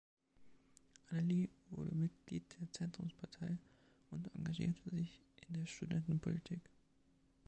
Anneli wurde Mitglied der Zentrumspartei und engagierte sich in der Studentenpolitik.